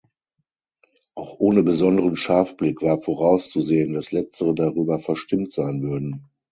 Auch ohne besonderen Scharfblick war vorauszusehen, dass letztere darüber verstimmt sein würden.